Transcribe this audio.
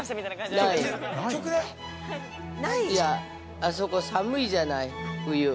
◆あそこ寒いじゃない、冬。